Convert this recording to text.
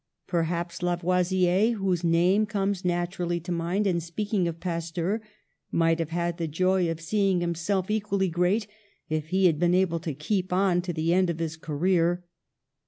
Perhaps Lavoisier, whose name comes naturally to mind in speaking of Pasteur, might have had the joy of seeing him self equally great, if he had been able to keep on to the end of his career.